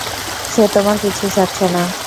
সে তোমার পিছু ছাড়ছে না।